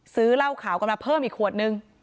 ซื้อเหล้าขาวกันมาเพิ่มอีกขวดนึง